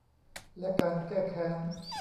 และการแก้แค้น